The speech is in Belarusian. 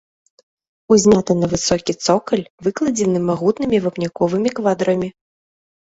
Узняты на высокі цокаль, выкладзены магутнымі вапняковымі квадрамі.